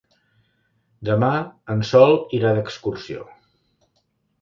Demà en Sol irà d'excursió.